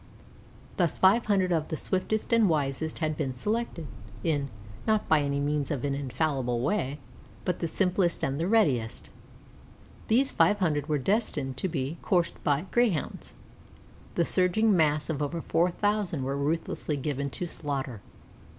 Thus five hundred of the swiftest and wisest had been selected, in, not by any means an infallible way, but the simplest and readiest. These five hundred were destined to be coursed by Greyhounds. The surging mass of over four thousand were ruthlessly given to slaughter.